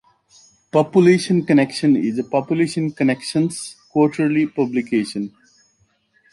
"Population Connection" is Population Connection's quarterly publication.